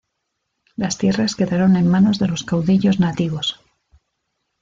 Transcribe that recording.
Las tierras quedaron en manos de los caudillos nativos.